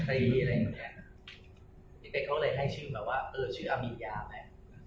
จริงเขาเลยให้ชื่อแบบว่าชื่ออามิยามแบบนี้